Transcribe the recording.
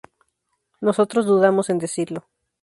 nosotros dudamos en decirlo